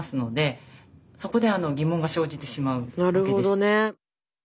なるほどね。